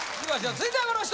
続いてはこの人！